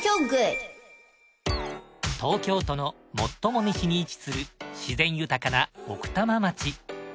東京都の最も西に位置する自然豊かな奥多摩町。